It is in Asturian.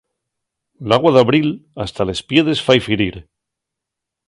L'agua d'abril hasta les piedres fai firir.